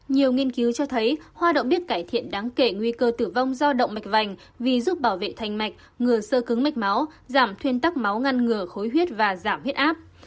nhiều nghiên cứu cho thấy hoa đậu biết cải thiện đáng kể nguy cơ tử vong do động mạch vành vì giúp bảo vệ thành mạch ngừa ngừa sơ cứng mạch máu giảm thuyên tắc máu ngăn ngừa khối huyết và giảm huyết áp